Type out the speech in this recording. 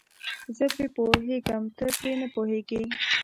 زه پرې پوهېږم ته پرې نه پوهیږې.